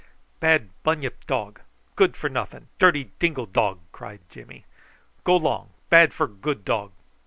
"Bad bunyip dog. Good for nothing, dirty dingo dog," cried Jimmy. "Go long, bad for good dog.